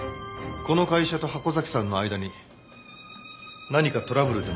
この会社と箱崎さんの間に何かトラブルでもあったとか？